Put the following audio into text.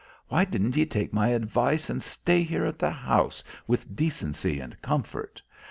Why didn't ye take my advice and stay here in the house with decency and comfort.